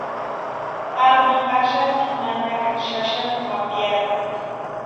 Alma axasti nanakani xaxakwa ma piarani.